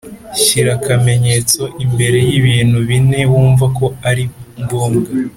Shyira kamenyetso imbere y ibintu bine wumva ko ari ngombwa